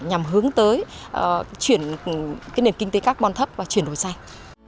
nhằm hướng tới chuyển nền kinh tế carbon thấp và chuyển đổi xanh